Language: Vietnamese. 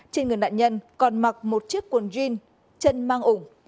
trên người nạn nhân còn mặc một chiếc quần jean chân mang ủng